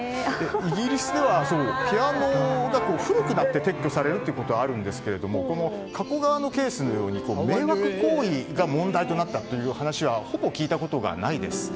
イギリスではピアノが古くなって撤去されることはあるんですが加古川のケースのように迷惑行為が問題になったという話はほぼ聞いたことがないです。